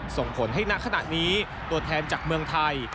ส่งผลให้ณขณะนี้ตัวแทนจากเมืองไทย